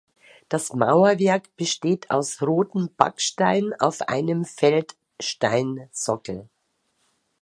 Das Mauerwerk besteht aus rotem Backstein auf einem Feldsteinsockel.